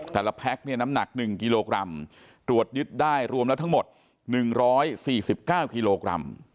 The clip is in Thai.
แพ็คเนี่ยน้ำหนัก๑กิโลกรัมตรวจยึดได้รวมแล้วทั้งหมด๑๔๙กิโลกรัม